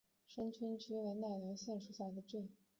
生驹郡为奈良县属下的郡。